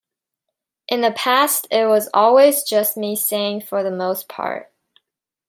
In the past, it was always just me singing for the most part.